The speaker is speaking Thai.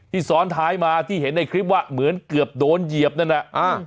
ซ้อนท้ายมาที่เห็นในคลิปว่าเหมือนเกือบโดนเหยียบนั่นน่ะอ่า